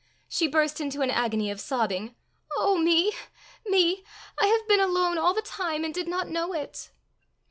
She burst into an agony of sobbing. "Oh me! me! I have been alone all the time, and did not know it!"